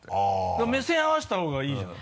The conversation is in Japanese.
目線合わせた方がいいじゃない。